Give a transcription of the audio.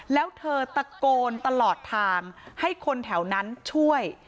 แล้วเธอตะโกนตลอดทางให้คนแถวนั้นช่วย